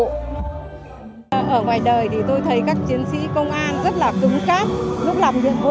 ở ngoài đời thì tôi thấy các chiến sĩ công an rất là cứng cát